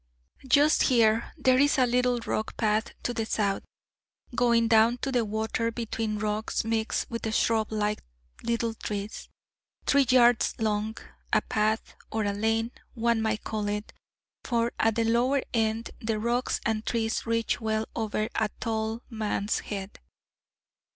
Just here there is a little rock path to the south, going down to the water between rocks mixed with shrub like little trees, three yards long: a path, or a lane, one might call it, for at the lower end the rocks and trees reach well over a tall man's head.